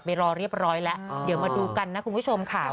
รอเรียบร้อยแล้วเดี๋ยวมาดูกันนะคุณผู้ชมค่ะ